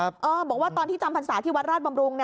บอกว่าตอนที่จำพรรษาที่วัดราชบำรุง